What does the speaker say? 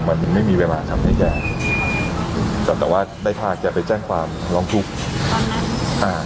เหมือนไม่มีเวลาทำให้แกก็แต่ว่าได้พาแกไปแจ้งความร้องทุกข์อ่า